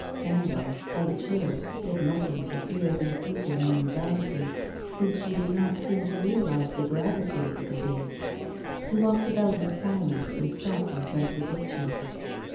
Sandoz, quite chilled, said nothing for fear of increasing her anxiety, since she did not seem to realise the gravity of the disease. He walked about in silence and stopped in front of the picture.